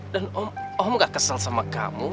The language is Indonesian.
dan om gak kesel sama kamu